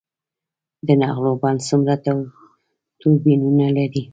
د نغلو بند څومره توربینونه لري؟